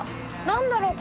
何だろう？